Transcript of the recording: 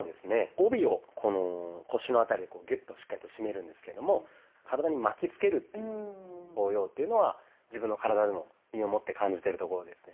帯をこの腰の辺りでこうギュッとしっかりと締めるんですけども体に巻きつける効用っていうのは自分の体でも身をもって感じてるところですね。